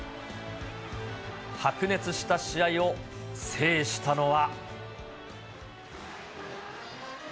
白熱した試合を制したのは。